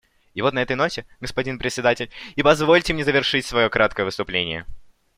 И вот на этой ноте, господин Председатель, и позвольте мне завершить свое краткое выступление.